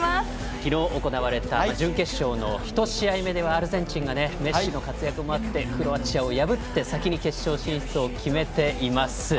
昨日、行われた準決勝の１試合目ではアルゼンチンがメッシの活躍もあってクロアチアを破って先に決勝進出を決めています。